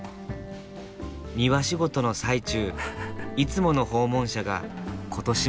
庭仕事の最中いつもの訪問者が今年もやって来た。